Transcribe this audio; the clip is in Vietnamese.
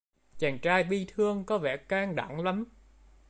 Chàng trai bị thương có vẻ can đảm lắm